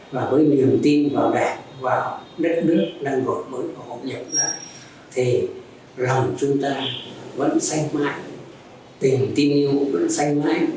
và đất nước đang gọi mới hỗn hợp lại thì lòng chúng ta vẫn xanh mãi tình yêu vẫn xanh mãi